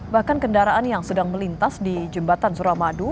bahkan kendaraan yang sedang melintas di jembatan suramadu